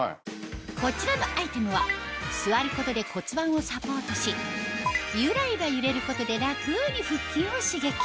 こちらのアイテムは座ることで骨盤をサポートしゆらゆら揺れることで楽に腹筋を刺激